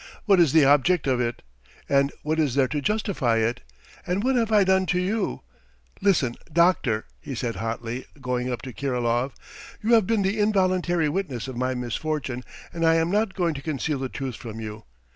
"What is the object of it? And what is there to justify it? And what have I done to you? Listen, doctor," he said hotly, going up to Kirilov. "You have been the involuntary witness of my misfortune and I am not going to conceal the truth from you.